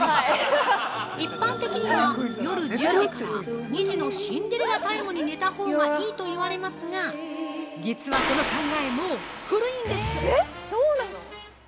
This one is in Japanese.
一般的には、夜１０時から２時のシンデレラタイムに寝たほうがいいと言われますが実はその考え、もう古いんです！